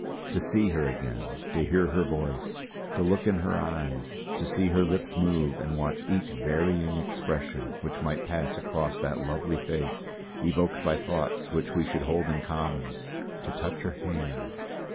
To see her again; to hear her voice; to look in her eyes; to see her lips move and watch each varying expression which might pass across that lovely face, evoked by thoughts which we should hold in common; to touch her hand....